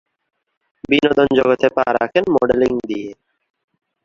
বিনোদন জগতে পা রাখেন মডেলিং দিয়ে।